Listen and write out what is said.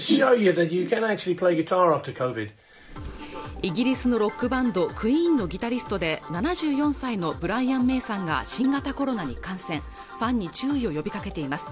イギリスのロックバンドクイーンのギタリストで７４歳のブライアン・メイさんが新型コロナに感染ファンに注意を呼びかけています